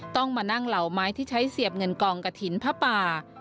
ต้องมานั่งเหล่าไม้ที่ใช้เสียบเงินกองกระถิ่นผ้าป่า